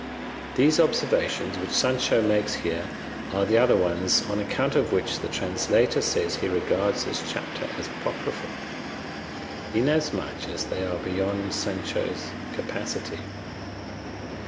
These observations which Sancho makes here are the other ones on account of which the translator says he regards this chapter as apocryphal, inasmuch as they are beyond Sancho's capacity.